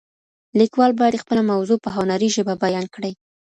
لیکوال باید خپله موضوع په هنري ژبه بیان کړي.